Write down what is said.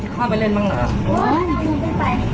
ดูหน่อยว่ามีอะไรดูหน่อยต้องกินหน่อยสิ